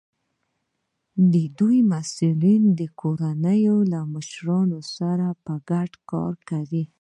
د دوی مسؤلین د کورنیو له مشرانو سره په ګډه کار کوي.